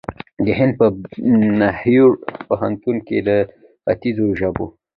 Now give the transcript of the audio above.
د هند په نهرو پوهنتون کې د خیتځو ژبو